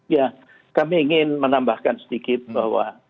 ya kami ingin menambahkan sedikit bahwa